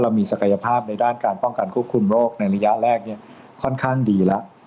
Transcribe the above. มีศักยภาพในด้านการป้องกันควบคุมโรคในระยะแรกค่อนข้างดีแล้ว